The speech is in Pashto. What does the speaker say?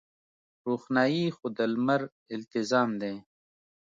روښنايي خو د لمر التزام دی.